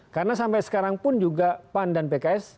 karena sampai sekarang pun juga pan dan pks